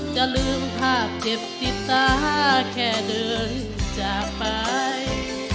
จะลืมภาพเจ็บติดตาแค่เดินจากไป